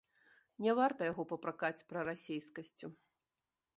Не варта яго папракаць прарасейскасцю.